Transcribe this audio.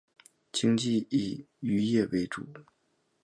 经济以渔业为主。